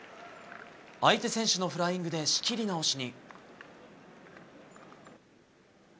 相手選手のフライングで仕切り直しに。